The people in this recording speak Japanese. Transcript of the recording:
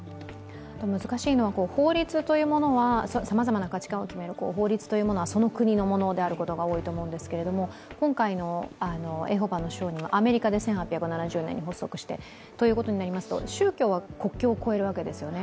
難しいのは、法律というものがさまざまな価値観を決める、その国のものであるものが多いんですけど今回のエホバの証人はアメリカで１８７０年に発足した。ということになりますと、宗教は国境を超えるわけですよね。